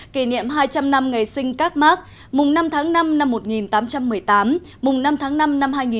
kỷ niệm hai trăm linh năm ngày sinh các mark mùng năm tháng năm năm một nghìn tám trăm một mươi tám mùng năm tháng năm năm hai nghìn một mươi chín